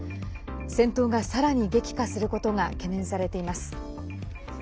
戦闘が、さらに激化することが懸念されています。